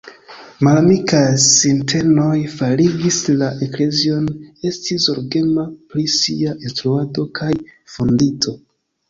Malamikaj sintenoj farigis la eklezion esti zorgema pri sia instruado kaj fondinto.